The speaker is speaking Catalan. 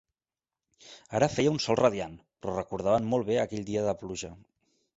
Ara feia un sol radiant, però recordaven molt bé aquell dia de pluja.